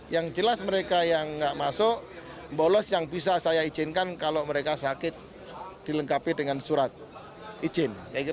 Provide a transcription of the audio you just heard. yang jelas mereka yang nggak masuk bolos yang bisa saya izinkan kalau mereka sakit dilengkapi dengan surat izin